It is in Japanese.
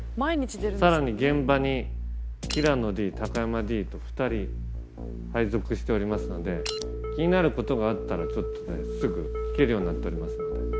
さらに現場に平野Ｄ高山Ｄと２人配属しておりますので気になることがあったらすぐ聞けるようになってますので。